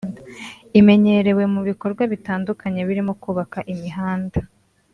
Imenyerewe mu bikorwa bitandukanye birimo kubaka imihanda